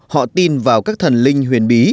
họ tin vào các thần linh huyền bí